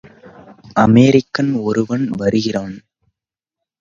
American ஒருவன் வருகிறான்.